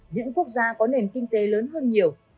những quốc gia có nền kinh tế lớn hơn nhiều